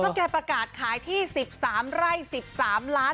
แกประกาศขายที่๑๓ไร่๑๓ล้าน